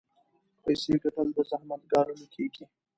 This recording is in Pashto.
پيسې ګټل په زحمت ګاللو کېږي.